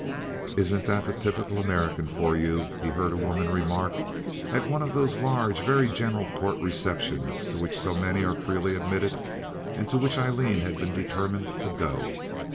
"Isn't that the typical American for you," he heard a woman remark, at one of those large, very general court receptions to which so many are freely admitted, and to which Aileen had been determined to go.